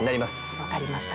分かりました。